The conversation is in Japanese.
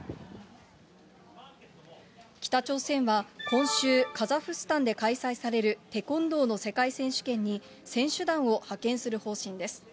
北朝鮮は今週、カザフスタンで開催されるテコンドーの世界選手権に選手団を派遣する方針です。